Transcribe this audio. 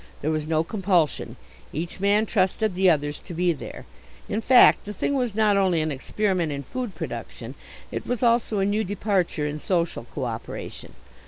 There was no compulsion. Each man trusted the others to be there. In fact the thing was not only an experiment in food production, it was also a new departure in social co operation.